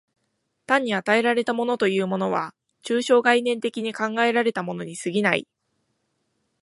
単に与えられたものというものは、抽象概念的に考えられたものに過ぎない。